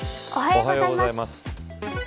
おはようございます。